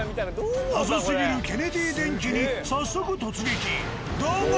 謎すぎる「ケネディー電気」に早速突撃。